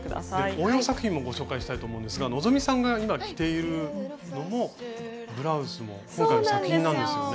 応用作品もご紹介したいと思うんですが希さんが今着ているのもブラウスも今回の作品なんですよね。